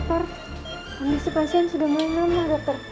dokter kondisi pasien sudah malu malu dokter